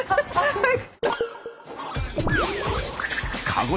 はい。